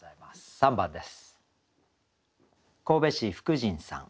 ３番です。